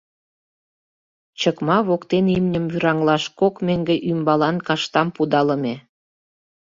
Чыкма воктен имньым вӱраҥлаш кок меҥге ӱмбалан каштам пудалыме.